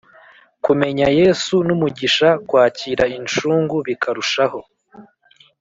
Kumenya yesu numugisha kwakira inshungu bikarushaho